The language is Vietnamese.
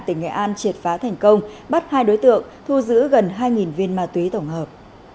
tỉnh nghệ an triệt phá thành công bắt hai đối tượng thu giữ gần hai viên ma túy tổng hợp